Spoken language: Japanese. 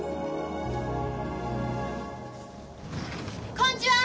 こんちは！